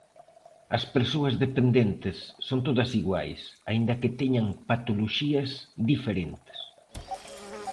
As persoas dependentes son todas iguais, aínda que teñan patoloxías diferentes.